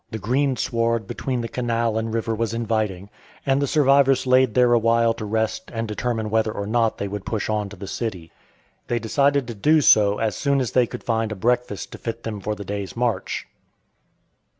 The green sward between the canal and river was inviting, and the survivors laid there awhile to rest and determine whether or not they would push on to the city. They decided to do so as soon as they could find a breakfast to fit them for the day's march.